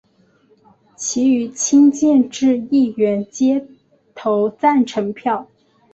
其余亲建制议员皆投赞成票。